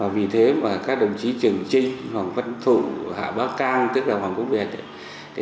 vì thế các đồng chí trường trinh hoàng văn thụ hạ bác cang tức là hoàng quốc việt